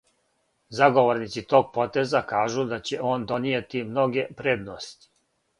Заговорници тог потеза кажу да ће он донијети многе предности.